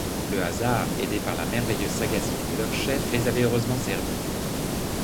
Le hasard, aidé par la merveilleuse sagacité de leur chef, les avait heureusement servis